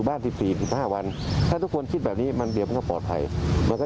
ท่านเมื่อกี้เช่นนั้นคุณบอกว่าถ้าส่วนอันนี้มีคำถามมาก่อน